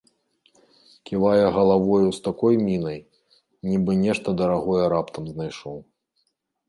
Ківае галавою з такой мінай, нібы нешта дарагое раптам знайшоў.